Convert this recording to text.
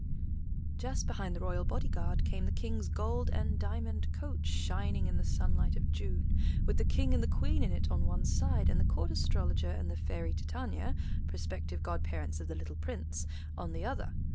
Just behind the royal body guard came the King's gold and diamond coach shining in the sunlight of June, with the King and the Queen in it on one side and the Court Astrologer and the fairy Titania, prospective godparents of the little Prince, on the other.